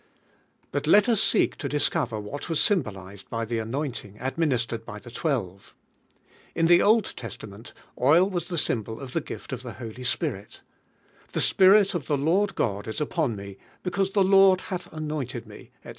Bui let us seek to discover what was symbolised by Ihe anointing admin istered by Ihe twelve. In tile Old Trslu ment, oil was the symbol of I lie gill of the Holy Spirit; "The Spirit of the Lord God is upon Me; because the Lord hath anointed Me," etc.